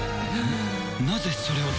なぜそれを！